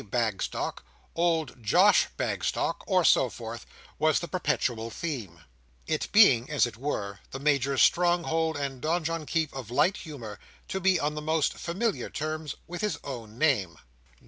Bagstock, old Josh Bagstock, or so forth, was the perpetual theme: it being, as it were, the Major's stronghold and donjon keep of light humour, to be on the most familiar terms with his own name.